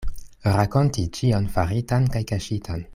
Rakonti ĉion faritan kaj kaŝitan.